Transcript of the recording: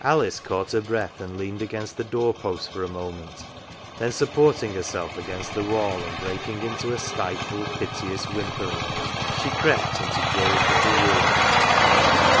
Alice caught her breath, and leaned against the door post for a moment. Then supporting herself against the wall, and breaking into a stifled, piteous whimpering, she crept into Joe^s little room.